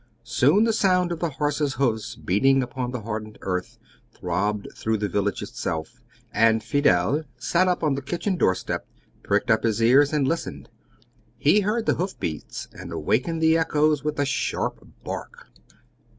Soon the sound of the horses' hoofs beating upon the hardened earth throbbed through the village itself, and Fidel sat up on the kitchen doorstep, pricked up his ears, and listened. He heard the hoof beats and awakened the echoes with a sharp bark.